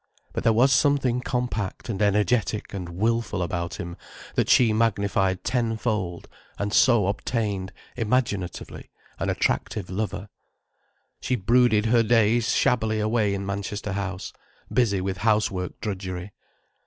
But there was something compact and energetic and wilful about him that she magnified ten fold and so obtained, imaginatively, an attractive lover. She brooded her days shabbily away in Manchester House, busy with housework drudgery.